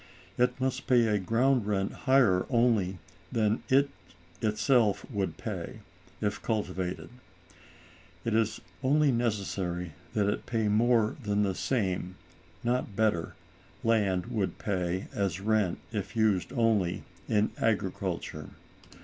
It must pay a ground rent higher only than it itself would pay, if cultivated. It is only necessary that it pay more than the same (not better) land would pay as rent if used only in agriculture.